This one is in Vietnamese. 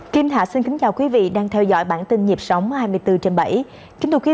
kim thạch xin kính chào quý vị đang theo dõi bản tin nhịp sống hai mươi bốn trên bảy